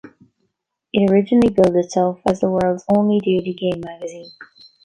It originally billed itself as "The World's Only Daily Game Magazine".